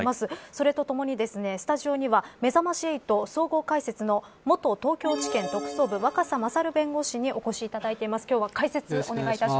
それとともに、スタジオにはめざまし８総合解説の元東京地検特捜部、若狭勝弁護士にお越しいただいています。